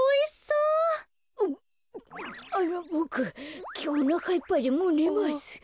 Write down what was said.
うっあのボクきょうおなかいっぱいでもうねます。